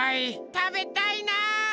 たべたいな！